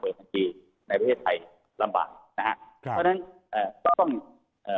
เปิดบัญชีในประเทศไทยลำบากนะฮะเพราะฉะนั้นเอ่อต้องเอ่อ